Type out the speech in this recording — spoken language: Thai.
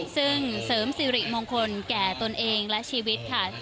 ซึ่งเสริมสิริมงคลแก่ตนเองและชีวิตค่ะ